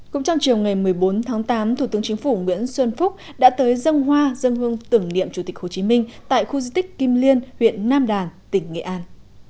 cũng trong chiều ngày một mươi bốn tháng tám thủ tướng chính phủ nguyễn xuân phúc đã tới dân hoa dân hương tưởng niệm chủ tịch hồ chí minh tại khu di tích kim liên huyện nam đàn tỉnh nghệ an